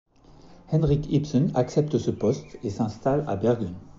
Henrik Ibsen accepte ce poste et s'installe à Bergen.